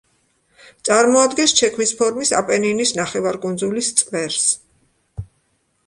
წარმოადგენს ჩექმის ფორმის აპენინის ნახევარკუნძულის „წვერს“.